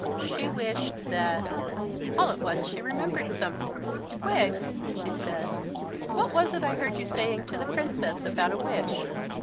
She wished that All at once she remembered something. "Wiggs," she said, "what was it I heard you saying to the Princess about a wish?"